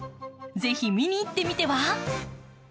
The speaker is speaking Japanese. ぜひ見にいってみては。